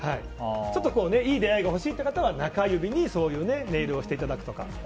ちょっといい出会いが欲しいという方は中指にそういうネイルをしていただくとか。